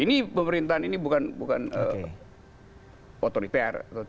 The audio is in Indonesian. ini pemerintahan ini bukan otoriter